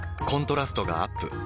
コントラストがアップ。